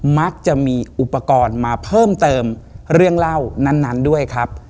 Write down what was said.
มักจะมีอุปกรณ์มาเพิ่มเติมเรื่องเล่านั้นด้วยครับ